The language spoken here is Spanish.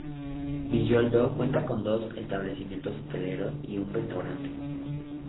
Villoldo cuenta con dos establecimientos hoteleros y un restaurante.